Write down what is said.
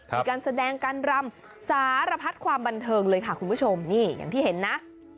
มีการแสดงการรำสารพัดความบันเทิงเลยค่ะคุณผู้ชมนี่อย่างที่เห็นนะ